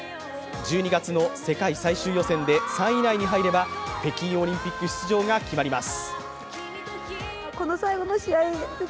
１２月の世界最終予選で３位以内に入れば北京オリンピック出場が決まります。